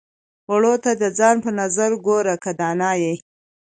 واړو ته د ځان په نظر ګوره که دانا يې.